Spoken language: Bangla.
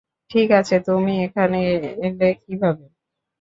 ঠিক আছে, তুমি এখানে এলে কিভাবে?